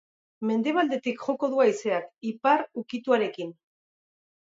Mendebaldetik joko du haizeak, ipar ukituarekin.